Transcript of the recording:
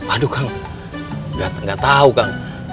aduh kang gak tau kang